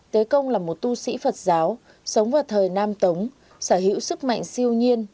tế công là một tu sĩ phật giáo sống vào thời nam tống sở hữu sức mạnh siêu nhiên